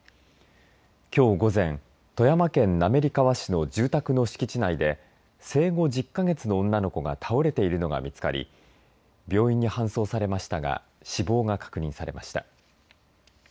きょう午前富山県滑川市の住宅の敷地内で生後１０か月の女の子が倒れているのが見つかり病院に搬送されましたが死亡が確認されました。